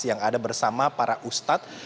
yang ada bersama para ustadz